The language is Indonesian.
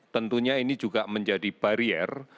tentunya ini juga menjadi barier